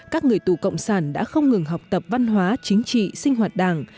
các người tù cộng sản đã không ngừng học tập văn hóa chính trị sinh hoạt đảng